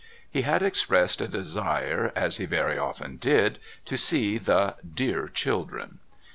He had expressed a desire, as he very often did, to see the "dear children."